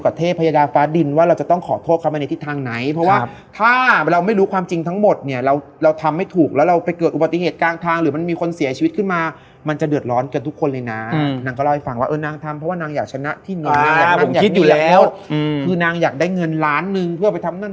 เราจะมีความจินตนาการว่าเออหรือจะมีใครสักคนนึงอยู่นั่งอยู่